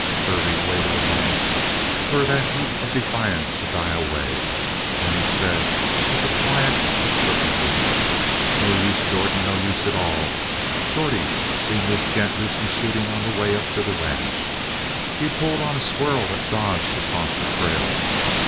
Hervey waited a moment for that heat of defiance to die away. Then he said with the quiet of certainty: "No use, Jordan. No use at all. Shorty seen this gent do some shooting on the way up to the ranch. He pulled on a squirrel that dodged across the trail.